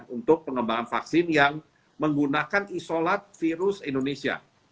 untuk pengembangan vaksin yang menggunakan isolat virus indonesia